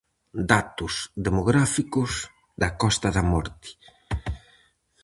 Datos demográficos da Costa da Morte.